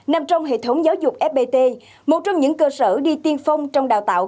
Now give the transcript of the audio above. nằm trong hệ thống giáo dục fpt một trong những cơ sở đi tiên phong trong đào tạo